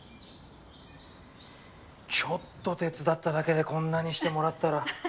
ちょっと手伝っただけでこんなにしてもらったら。